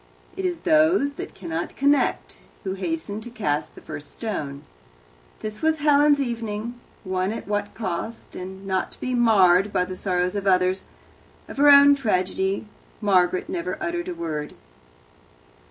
It is those that cannot connect who hasten to cast the first stone. This was Helen's evening won at what cost, and not to be marred by the sorrows of others. Of her own tragedy Margaret never uttered a word.